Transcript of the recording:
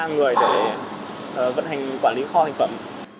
ba người để vận hành quản lý kho thành phẩm